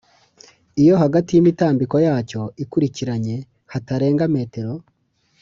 iyo hagati y’imitambiko yacyo ikurikiranye hatarenga m ,